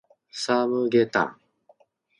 サムゲタン